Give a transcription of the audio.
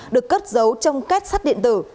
được cất giấu trong két sắt điện tử